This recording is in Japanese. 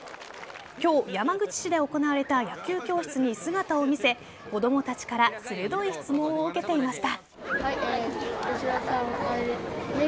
今日、山口市で行われた野球教室に姿を見せ子供たちから鋭い質問を受けていました。